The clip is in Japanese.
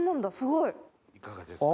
いかがですか？